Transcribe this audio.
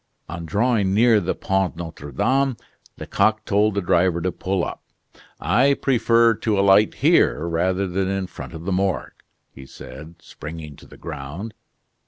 On drawing near the Pont Notre Dame, Lecoq told the driver to pull up. "I prefer to alight here, rather than in front of the Morgue," he said, springing to the ground.